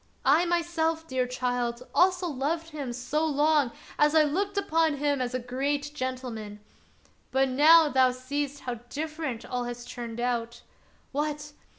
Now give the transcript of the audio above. I myself, dear child, also loved him so long as I looked upon him as a great gentleman. But now thou seest how different all has turned out. What!